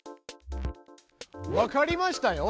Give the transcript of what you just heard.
わかりましたよ。